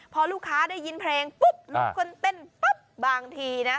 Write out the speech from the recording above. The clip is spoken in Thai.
พอลูกค้าได้ยินเพลงปุ๊บทุกคนเต้นปั๊บบางทีนะ